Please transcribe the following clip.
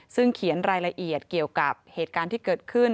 ซึ่งเขียนรายละเอียดเกี่ยวกับเหตุการณ์ที่เกิดขึ้น